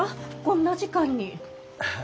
こんな時間に。